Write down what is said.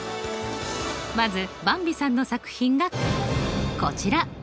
まずばんびさんの作品がこちら！